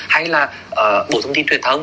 hay là bộ thông tin truyền thông